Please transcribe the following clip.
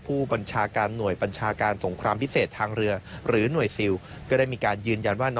ผู้บัญชาการหน่วยบัญชาการสงครามพิเศษทางเรือหรือหน่วยซิลก็ได้มีการยืนยันว่า